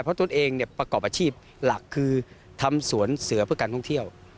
เพราะตนเองประกอบอาชีพหลักคือทำสวนเสือเพื่อการท่องเที่ยว